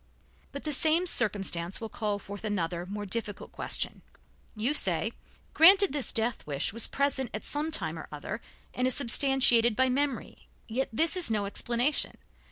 But the same circumstances will call forth another, more difficult question. You say: "Granted this death wish was present at some time or other, and is substantiated by memory, yet this is no explanation.